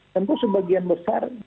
tentu sebagian besar